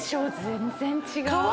全然違う。